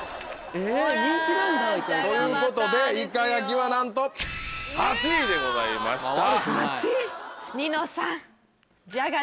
えっ人気なんだいかやき。ということでいかやきはなんと８位でございました。